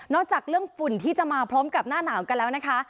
จากเรื่องฝุ่นที่จะมาพร้อมกับหน้าหนาวกันแล้วนะคะ